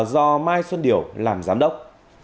do mai xuân điểu làm giám đốc